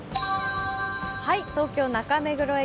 東京・中目黒駅